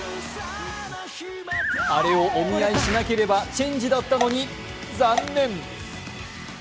あれをお見合いしなければ、チェンジだったのに、残念！